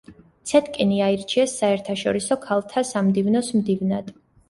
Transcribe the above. ცეტკინი აირჩიეს საერთაშორისო ქალთა სამდივნოს მდივნად.